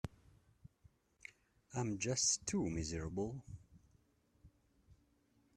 I'm just too miserable.